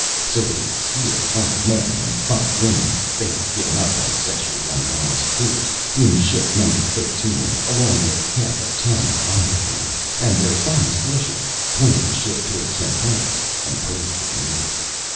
So they sealed five men and five women they had given up on sexually unbalanced crews in ship Number Thirteen, along with half a ton of Omnidrene and their fondest wishes, pointed the ship towards Centaurus, and prayed for a miracle.